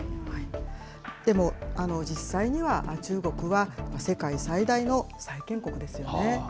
でも実際には、中国は世界最大の債権国ですよね。